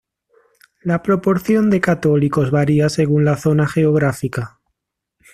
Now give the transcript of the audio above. La proporción de católicos varía según la zona geográfica.